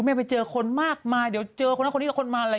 เหมือนว่าคุณแม่ไปเจอคนมากมายเดี๋ยวเจอคนนั้นคนนี้คนนั้นคนมาล่ะ